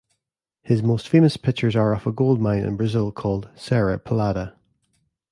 His most famous pictures are of a gold mine in Brazil called Serra Pelada.